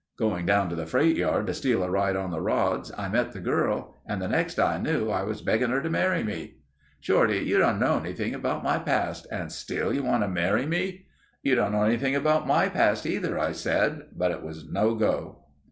"Going down to the freight yard to steal a ride on the rods I met the girl and the next I knew, I was begging her to marry me. 'Shorty, you don't know anything about my past, and still you want to marry me?' "'You don't know anything about my past either,' I said. But it was no go."